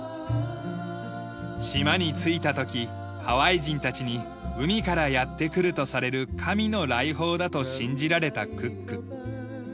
島に着いた時ハワイ人たちに海からやって来るとされる神の来訪だと信じられたクック。